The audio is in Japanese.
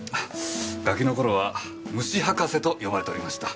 ガキの頃は虫博士と呼ばれておりました。